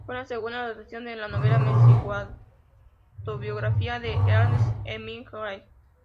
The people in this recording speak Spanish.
Fue la segunda adaptación de la novela semi-autobiográfica de Ernest Hemingway.